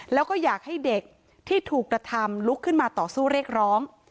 แล้วก็อยากให้เด็กที่ถูกกระทำลุกขึ้นมาต่อสู้เรียกร้อง